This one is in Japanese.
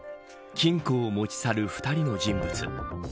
金庫を持ち去る２人の人物。